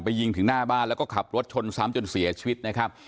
ยิงถึงหน้าบ้านแล้วก็ขับรถชนซ้ำจนเสียชีวิตนะครับ